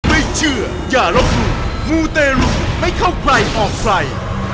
ไม่เชื่ออย่ารบมูมูเตรุไม่เข้าใกล้ออกไฟ